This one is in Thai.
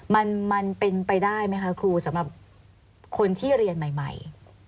มันเป็นไปได้ไหมคะครูสำหรับคนที่เรียนใหม่